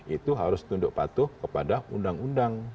itu harus tunduk patuh kepada undang undang